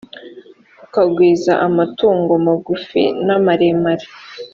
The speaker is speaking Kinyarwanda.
ukagwiza amatungo magufi n’amaremare;